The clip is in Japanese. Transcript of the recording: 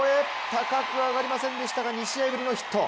高く上がりませんでしたが２試合ぶりのヒット。